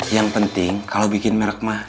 yang penting kalau bikin merek mah